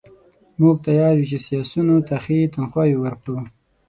موږ تیار یو چې سیاسیونو ته ښې تنخواوې ورکړو.